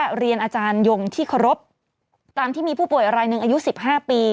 ว่าเรียนอาจารยงที่เคราะห์ตามที่มีผู้ป่วยรายหนึ่งอายุ๑๕ปี